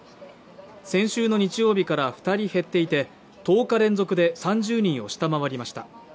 先週の日曜日から２人減っていて、１０日連続で３０人を下回りました。